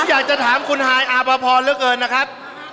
อยากจะถามคุณฮายอาภพรเหลือเกินนะครับ